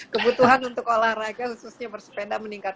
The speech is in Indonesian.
kebutuhan untuk olahraga khususnya bersepeda meningkat